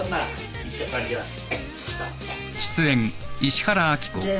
行ってさんじます。